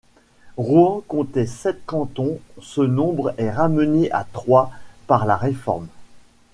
Rouen comptait sept cantons, ce nombre est ramené à trois par la réforme.